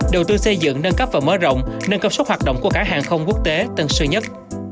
đầu tư xây dựng nâng cấp và mở rộng nâng cấp suất hoạt động của cảng hàng không quốc tế tân sơn nhất